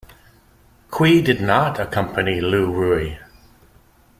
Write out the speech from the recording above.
Qi did not accompany Liu Ruyi.